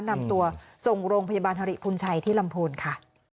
นำตัวส่งโรงพยาบาลฮริพุนชัยที่ลำพูนค่ะ